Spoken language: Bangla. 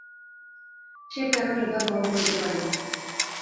সে কেন এ ভার বহন করিতে পরিবে?